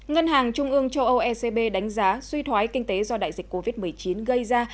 ngân hàng trung ương châu âu ecb đánh giá suy thoái kinh tế do đại dịch covid một mươi chín gây ra